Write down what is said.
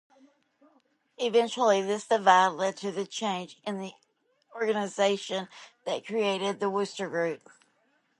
Eventually this divide led to the change in organization that created The Wooster Group.